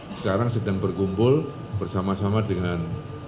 sekarang sedang berkumpul bersama sama dengan